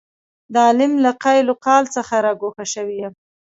د عالم له قیل او قال څخه را ګوښه شوی یم.